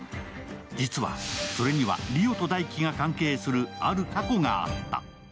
実はそれには梨央と大輝が関係するある過去があった。